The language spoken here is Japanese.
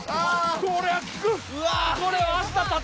これは効く！